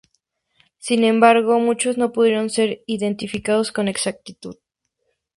Sin embargo, muchos no pudieron ser identificados con exactitud.